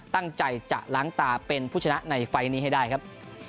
ตั้งใจจะล้างตาเป็นผู้ชนะในไฟล์นี้ให้ได้ครับ